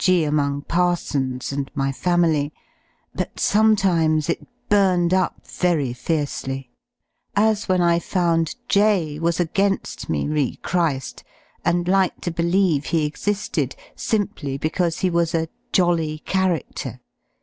g,y among parsons and my family, but sometimes it burned up very fiercely; as when I found J was again^ me re Chri^, and liked to believe he exited, simply because he was a "jolly" charadler.